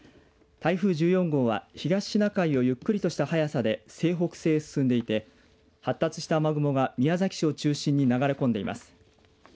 台風１４号は東シナ海をゆっくりとした速さで西北西へ進んでいて発達した雨雲が宮崎市を中心に流れ込んでいます。